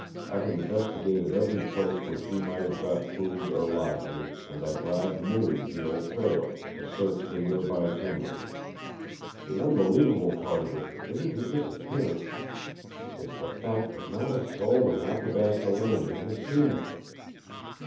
I've investigated every place where she might have got food or lodging, and I bribed Mooie, the old trailer, to search the near by timber. The unbelievable part of it isn't her disappearance. It's the fact that not a soul in Athabasca Landing has seen her!